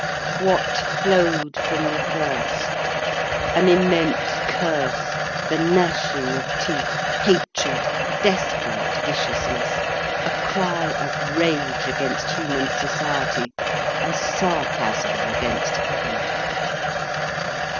What flowed from the first? An immense curse, the gnashing of teeth, hatred, desperate viciousness, a cry of rage against human society, a sarcasm against heaven.